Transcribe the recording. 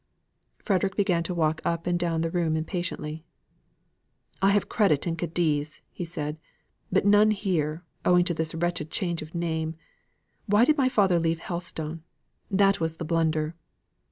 Frederick began to walk up and down the room impatiently. "I have credit in Cadiz," said he, "but none here, owing to this wretched change of name. Why did my father leave Helstone? That was the blunder."